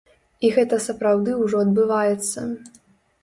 І гэта сапраўды ўжо адбываецца.